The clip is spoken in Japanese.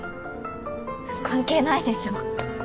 関係ないでしょ。